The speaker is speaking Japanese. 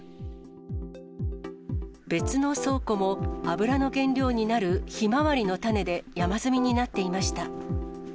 別の倉庫も、油の原料になるひまわりの種で山積みになっていました。